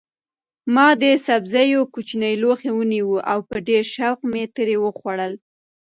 ما د سبزیو کوچنی لوښی ونیو او په ډېر شوق مې ترې وخوړل.